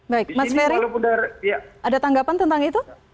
baik mas ferry ada tanggapan tentang itu